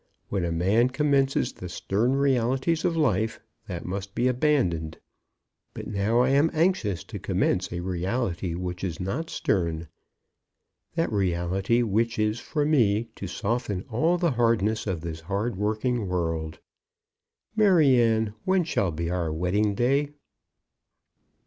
When a man commences the stern realities of life, that must be abandoned. But now I am anxious to commence a reality which is not stern, that reality which is for me to soften all the hardness of this hardworking world. Maryanne, when shall be our wedding day?"